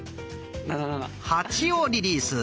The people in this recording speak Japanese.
「８」をリリース。